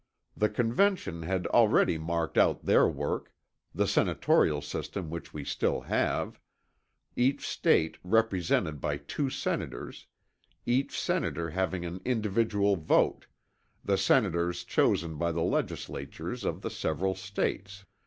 The Convention had already marked out their work the senatorial system which we still have each State represented by two senators, each senator having an individual vote, the senators chosen by the legislatures of the several States.